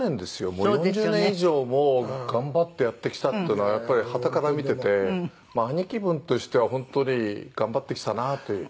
「もう４０年以上も頑張ってやってきたっていうのはやっぱり端から見ていて兄貴分としては本当に頑張ってきたなって」